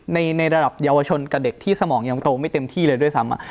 ในระดับเยาวชนกับเด็กที่สมองยังโตไม่เต็มที่เลยด้วยซ้ำ